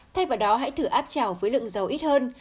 thay vào đó hãy thử áp trào với lượng dầu ít hơn